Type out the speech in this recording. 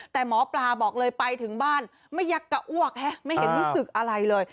แต่หมอปลาบอกเลยไปถึงบ้านไม่ยักกะอ้วกไม่เห็นรู้สึกอะไรเลย